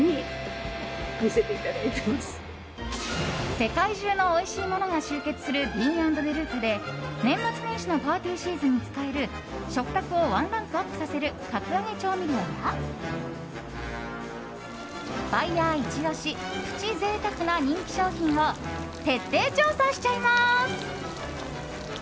世界中のおいしいものが集結するＤＥＡＮ＆ＤＥＬＵＣＡで年末年始のパーティーシーズンに使える食卓をワンランクアップさせる格上げ調味料やバイヤーイチ押しプチ贅沢な人気商品を徹底調査しちゃいます！